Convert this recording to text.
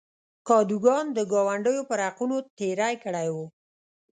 کادوګان د ګاونډیو پر حقونو تېری کړی و.